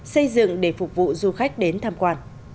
xây dựng để phục vụ du khách đến tham quan